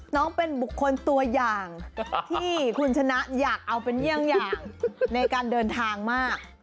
น้องเป็นบุคคลตัวอย่างที่คุณชนะอยากเอาเป็นเยี่ยงอย่างในการเดินทางมาก